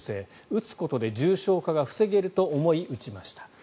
打つことで重症化が防げると思い打ちました。